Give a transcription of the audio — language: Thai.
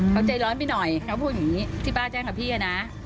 เขาใจร้อนไปหน่อยเขาพูดอย่างนี้ที่ป้าแจ้งกับพี่นะ